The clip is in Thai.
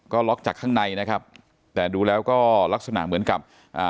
ก็ล็อกจากข้างในนะครับแต่ดูแล้วก็ลักษณะเหมือนกับอ่า